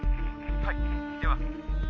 はいでは。